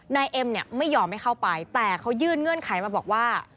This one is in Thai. นายเอ็มเนี่ยไม่ยอมให้เข้าไปแต่เขายื่นเงื่อนไขมาบอกว่า